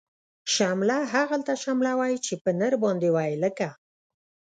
شمله هغلته شمله وی، چه په نرباندی وی لکه